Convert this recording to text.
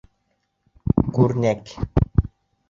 Күрнәк.